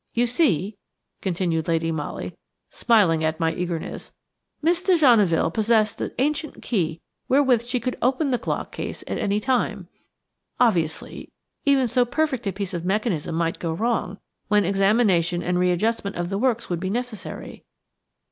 You see," continued Lady Molly, smiling at my eagerness, "Miss de Genneville possessed the ancient key wherewith she could open the clock case at any time. Obviously, even so perfect a piece of mechanism might go wrong, when examination and re adjustment of the works would be necessary.